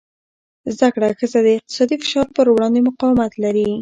زده کړه ښځه د اقتصادي فشار پر وړاندې مقاومت لري.